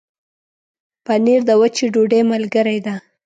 پنېر د وچې ډوډۍ ملګری دی.